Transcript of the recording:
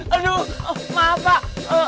aduh maaf pak